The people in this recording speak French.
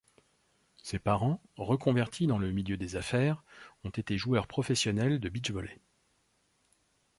Ses parents, reconvertis dans le milieu des affaires, ont été joueurs professionnels de beach-volley.